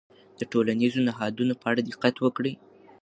د ټولنیزو نهادونو په اړه دقت وکړئ.